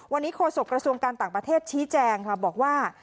วันนี้โฆษกระทรวงการต่างประเทศชี้แจงค่ะบอกว่า